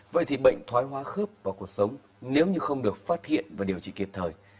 vậy thì bệnh thói hóa khớp vào cuộc sống nếu như không được phát hiện và điều trị kịp thời